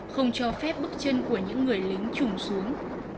không cho phép bước chân của những người lính trùng xuống